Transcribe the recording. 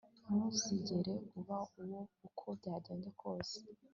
Ntuzigera uba uwe uko byagenda kose